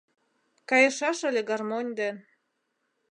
Кайышаш ыле гармонь ден.